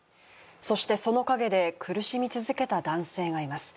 そしてその陰で苦しみ続けた男性がいます